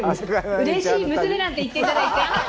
うれしい、娘なんて言っていただいて！